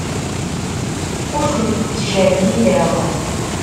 Ur tent-ttjellileɣ.